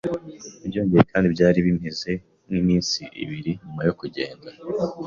Byongeye kandi byari bimeze nkiminsi ibiri nyuma yo kugenda